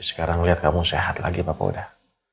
sekarang liat kamu sehat lagi papa udah